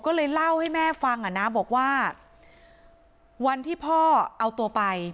ก็เลยเล่าให้แม่ฟังอ่ะนะบอกว่าวันที่พ่อเอาตัวไป